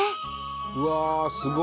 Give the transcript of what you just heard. うわすごい！